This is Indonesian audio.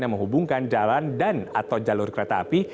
yang menghubungkan jalan dan atau jalur kereta api